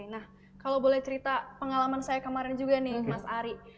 nah kalau boleh cerita pengalaman saya kemarin juga nih mas ari